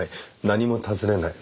何も尋ねない。